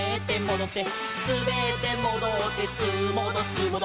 「すべってもどってすーもどすーもど」